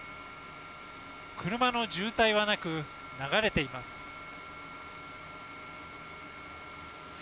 車の渋滞はなく、流れています。